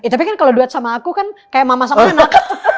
tapi kan kalau duet sama aku kan kayak mama sama anak